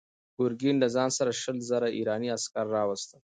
ګورګین له ځان سره شل زره ایراني عسکر راوستل.